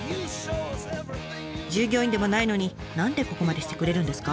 従業員でもないのに何でここまでしてくれるんですか？